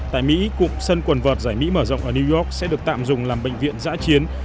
tại mỹ cụm sân quần vợt giải mỹ mở rộng ở new york sẽ được tạm dùng làm bệnh viện giã chiến